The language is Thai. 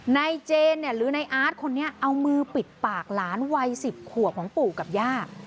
ในเจนเนี่ยหรือในอาร์ตไว้อ๋าตินะเอามือปิดปากหลานวัยของปู่กับหญ้า